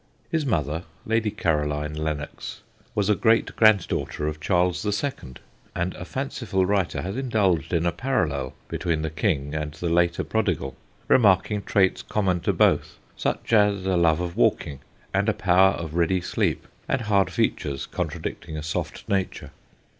His mother (Lady Caroline Lennox) was a great granddaughter of Charles the Second, and a fanciful writer has indulged in a parallel between the King and the later prodigal, remarking traits common to both, such as a love of walking and a power of ready sleep, and hard features contradicting a soft nature.